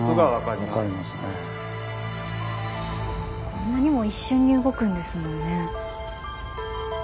こんなにも一瞬に動くんですもんね。